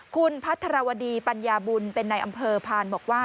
คุณพัทรวดีปัญญาบุญเป็นในอำเภอพานบอกว่า